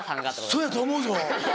そうやと思うぞ。